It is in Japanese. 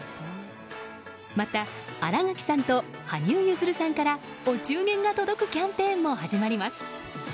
また、新垣さんと羽生結弦さんからお中元が届くキャンペーンも始まります。